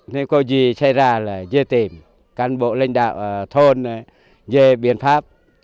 nên có gì chạy ra là dê tìm cán bộ linh đạo thôn dê biện pháp